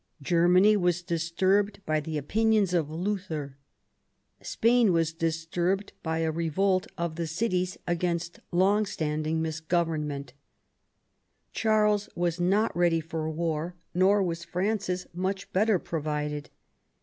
Germany was disturbed by the opinions of Luther; Spain was disturbed by a revolt of the cities against long standing misgovemment Charles was not ready for war, nor was Francis much better provided.